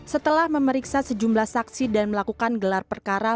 setelah memeriksa sejumlah saksi dan melakukan gelar perkara